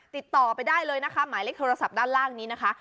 ติดต่อไปได้เลยนะคะหมายเลขโทรศัพท์ด้านล่างนี้นะคะ